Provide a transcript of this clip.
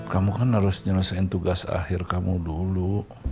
kamu kan harus menyelesaikan tugas akhir kamu dulu